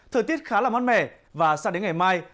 thời tiết khá là mát mẻ và sang đến ngày mai